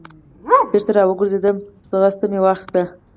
بېرته را وګرځېدم منډه مې واخیسته.